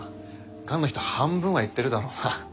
がんの人半分は言ってるだろうな。